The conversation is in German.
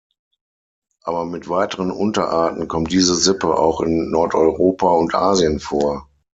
Aber mit weiteren Unterarten kommt diese Sippe auch in Nordeuropa und Asien vor.